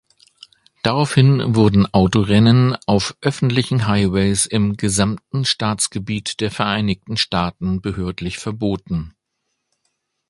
Daraufhin wurden Autorennen auf öffentlichen Highways im gesamten Staatsgebiet der Vereinigten Staaten behördlich verboten.